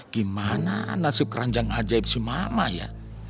gimana nasib keranjang ajaib si mama ya